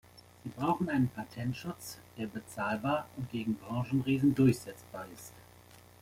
Sie brauchen einen Patentschutz, der bezahlbar und gegen Branchenriesen durchsetzbar ist.